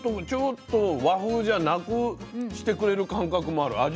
ちょっと和風じゃなくしてくれる感覚もある。